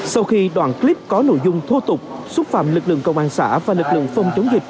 sau khi đoạn clip có nội dung thô tục xúc phạm lực lượng công an xã và lực lượng phòng chống dịch